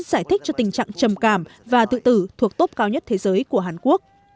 giải thích cho tình trạng trầm cảm và tự tử thuộc tốt cao nhất thế giới của hàn quốc